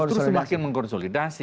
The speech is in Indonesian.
malah justru semakin mengkonsolidasi